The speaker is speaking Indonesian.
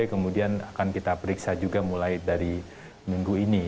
kemudian akan kita periksa juga mulai dari minggu ini